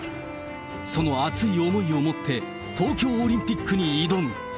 その熱い思いを持って東京オリンピックに挑む。